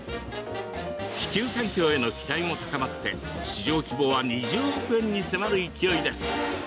地球環境への期待も高まって市場規模は２０億円に迫る勢いです。